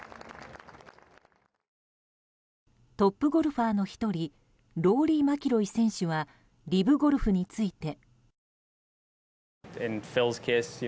トップゴルファーの１人ローリー・マキロイ選手はリブゴルフについて。